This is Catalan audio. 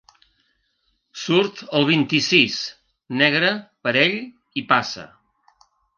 Surt el vint-i-sis, negre, parell i passa.